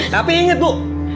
tapi inget bu